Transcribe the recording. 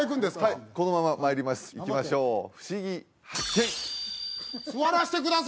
はいこのまままいりますいきましょうふしぎ発見！